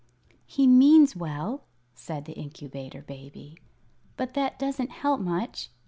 "He means well," said the Incubator Baby; "but that doesn't help much."